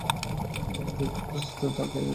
যদি তার অস্তিত্ব থেকে থাকে আরকি।